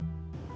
ya pak sofyan